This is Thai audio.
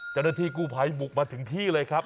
เจ้าหน้าที่กู้ภัยบุกมาถึงที่เลยครับ